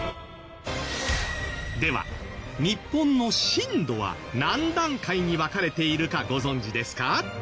では日本の震度は何段階に分かれているかご存じですか？